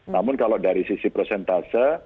namun kalau dari sisi prosentase